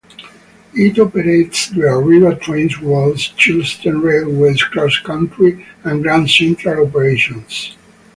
It operates the Arriva Trains Wales, Chiltern Railways, CrossCountry and Grand Central operations.